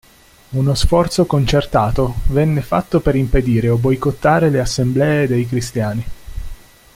Uno sforzo concertato venne fatto per impedire o boicottare le assemblee dei cristiani.